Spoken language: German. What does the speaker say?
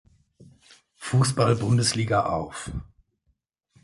Fußball-Bundesliga auf.